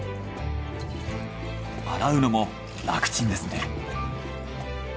洗うのも楽ちんですね。